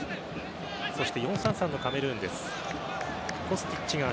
そして４−３−３のカメルーン。